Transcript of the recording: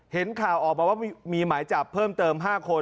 เห็นข่าวออกมาว่ามีหมายจับเพิ่มเติม๕คน